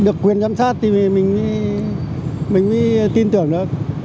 được quyền chăm sát thì mình mới tin tưởng được